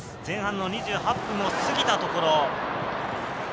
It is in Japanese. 前半の２８分を過ぎたところ。